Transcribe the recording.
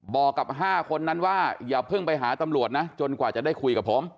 บอกกับ๕คนนั้นว่าอย่าเพิ่งไปหาตำรวจนะจนกว่าจะได้คุยกับผม